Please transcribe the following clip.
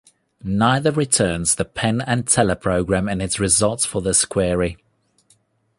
Neither returns the Penn and Teller program in its results for this query.